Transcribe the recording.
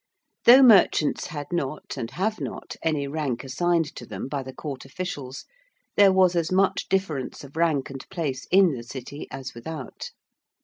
Though merchants had not, and have not, any rank assigned to them by the Court officials, there was as much difference of rank and place in the City as without.